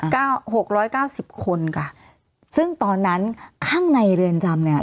หกร้อยเก้าสิบคนค่ะซึ่งตอนนั้นข้างในเรือนจำเนี้ย